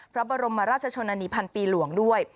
พระบรมราชชนนานีพันปีหลวงด้วย